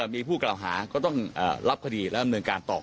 มีผู้กล่าวหาก็ต้องรับคดีและดำเนินการต่อ